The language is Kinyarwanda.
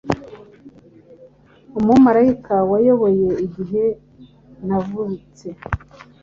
Umumarayika wayoboye igihe navutse